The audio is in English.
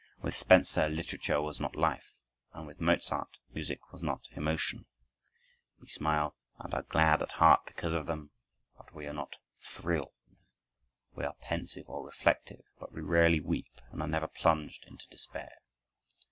With Spenser literature was not life, and with Mozart music was not emotion. We smile and are glad at heart because of them, but we are not thrilled; we are pensive or reflective, but we rarely weep and are never plunged into despair.